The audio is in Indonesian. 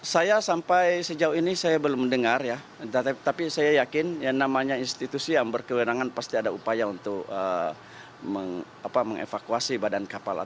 saya sampai sejauh ini saya belum mendengar ya tapi saya yakin yang namanya institusi yang berkewenangan pasti ada upaya untuk mengevakuasi badan kapal